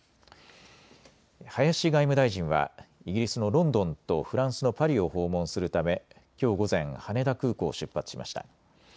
林外務大臣はイギリスのロンドンとフランスのパリを訪問するためきょう午前、羽田空港を出発しました。